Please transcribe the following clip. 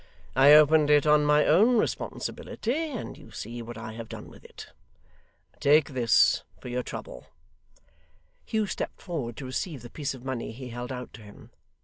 I opened it on my own responsibility, and you see what I have done with it. Take this, for your trouble.' Hugh stepped forward to receive the piece of money he held out to him.